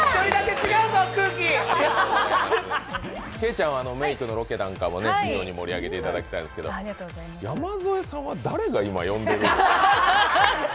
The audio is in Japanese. ケイちゃんはメークのロケなんか盛り上げていただいてるんですけど山添さんは誰が今、呼んでいるの？